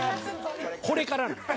これからなんで。